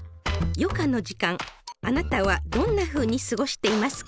余暇の時間あなたはどんなふうに過ごしていますか？